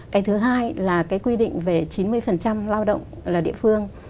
cái thứ hai là cái quy định về chín mươi lao động là địa phương